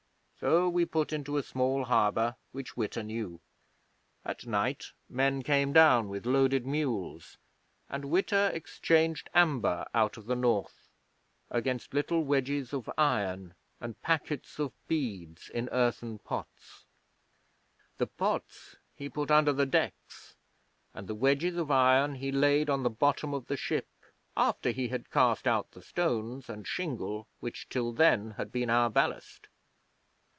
So we put into a small harbour which Witta knew. At night men came down with loaded mules, and Witta exchanged amber out of the North against little wedges of iron and packets of beads in earthen pots. The pots he put under the decks, and the wedges of iron he laid on the bottom of the ship after he had cast out the stones and shingle which till then had been our ballast.